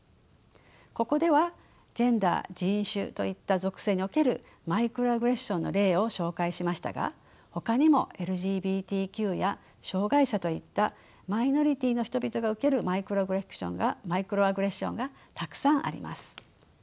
ここではジェンダー人種といった属性におけるマイクロアグレッションの例を紹介しましたがほかにもＬＧＢＴＱや障害者といったマイノリティーの人々が受けるマイクロアグレッションがたくさんあります。